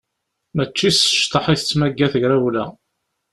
Mačči s ccḍeḥ i tettmaga tegrawla.